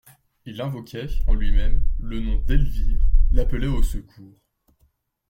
Il invoquait, en lui-même, le nom d'Elvire, l'appelait au secours.